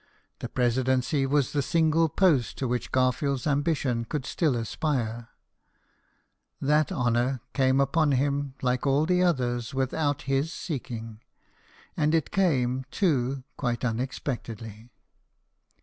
The presidency was the single post to which Gar field's ambition could still aspire. That honour came upon him, like all the others, without his JAMES GARFIELD, CANAL BOY. 161 seeking; and it came, too, quite unexpectedly.